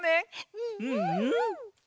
うん。